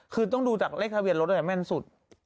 คือต้องดูจากเลขทะเบียนรถด้วยแม่นสุด